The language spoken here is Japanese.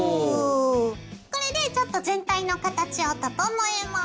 これでちょっと全体の形を整えます。